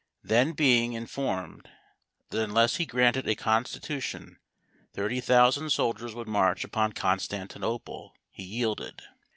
Then being informed that unless he granted a constitution thirty thousand soldiers would march upon Constantinople, he yielded.